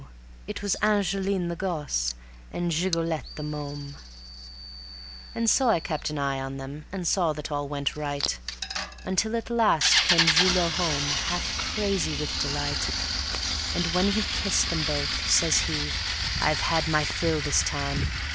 it was Angeline the gosse, and Gigolette the môme. And so I kept an eye on them and saw that all went right, Until at last came Julot home, half crazy with delight. And when he'd kissed them both, says he: "I've had my fill this time.